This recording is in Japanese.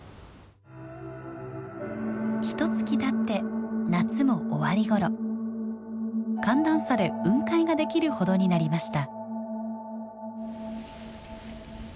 ひとつきたって夏も終わり頃寒暖差で雲海ができるほどになりました。